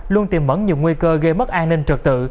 luôn tìm mẫn nhiều nguy cơ gây mất an ninh trật tự